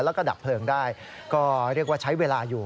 แล้วก็ดับเพลิงได้ก็เรียกว่าใช้เวลาอยู่